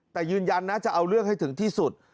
แต่ยืนยันนะจะเอาเรื่องให้ถึงที่สุด